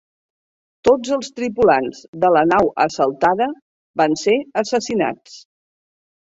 Tots els tripulants de la nau assaltada van ser assassinats.